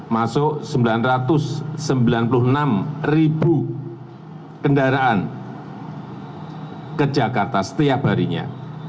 masuk sembilan ratus sembilan puluh enam ribu kendaraan ke jakarta setiap harinya